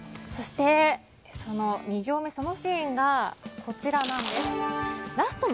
そして、２行目そのシーンが、こちらなんです。